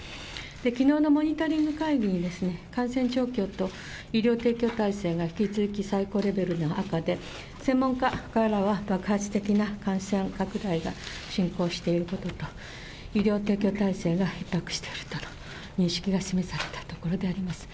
きのうのモニタリング会議に感染状況と医療提供体制が引き続き最高レベルの中で、専門家からは爆発的な感染拡大が進行していることと、医療提供体制がひっ迫しているとの認識が示されたとところであります。